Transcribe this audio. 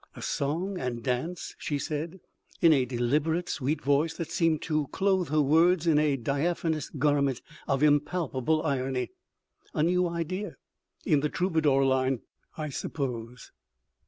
"A song and dance!" she said, in a deliberate sweet voice that seemed to clothe her words in a diaphanous garment of impalpable irony. "A new idea—in the troubadour line, I suppose.